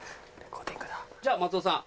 じゃ松尾さん